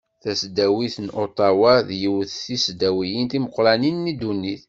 Tasdawit n Uṭawa d yiwet seg tesdawiyin timeqqranin di ddunit.